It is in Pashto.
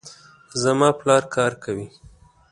زما پلار کار کوي